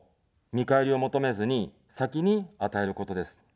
見返りを求めずに、先に与えることです。